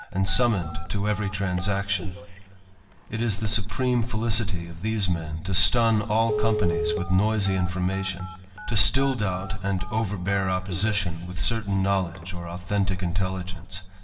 * and summoned to every transaction : it is the suptem^^ felicity of these men, to stun all companies with nois; information ; to still doubt, and overbear opposition, witl certain knowledge or authentick intelligence.